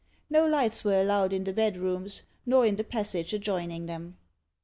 No lights were allowed in the bedrooms, nor in the passage adjoining them.